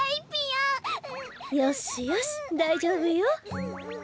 よしよしだいじょうぶよ。